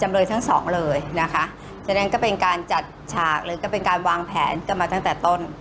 ทั้งสองเลยนะคะฉะนั้นก็เป็นการจัดฉากหรือก็เป็นการวางแผนกันมาตั้งแต่ต้น